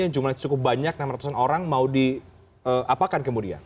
yang jumlahnya cukup banyak enam ratusan orang mau diapakan kemudian